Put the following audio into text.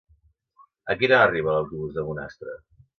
A quina hora arriba l'autobús de Bonastre?